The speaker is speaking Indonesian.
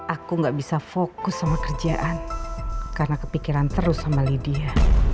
aku gak bisa fokus sama kerjaan karena kepikiran terus sama lydia